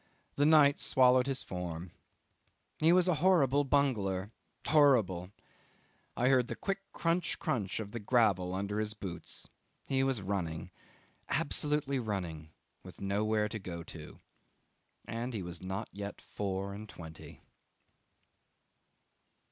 The night swallowed his form. He was a horrible bungler. Horrible. I heard the quick crunch crunch of the gravel under his boots. He was running. Absolutely running, with nowhere to go to. And he was not yet four and twenty.